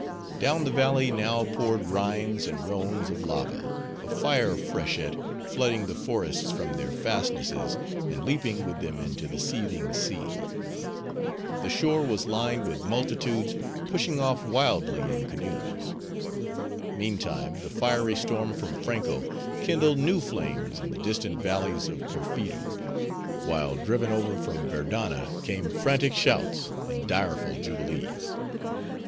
Down the valley now poured Rhines and Rhones of lava, a fire freshet, flooding the forests from their fastnesses, and leaping with them into the seething sea. The shore was lined with multitudes pushing off wildly in canoes. Meantime, the fiery storm from Franko, kindled new flames in the distant valleys of Porpheero; while driven over from Verdanna came frantic shouts, and direful jubilees.